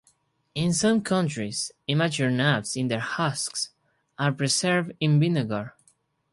In some countries, immature nuts in their husks are preserved in vinegar.